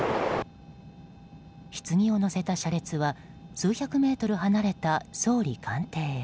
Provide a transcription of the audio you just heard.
棺を載せた車は数百メートル離れた総理官邸へ。